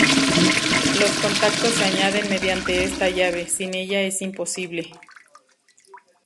Los contactos se añaden mediante esta llave, sin ella es imposible.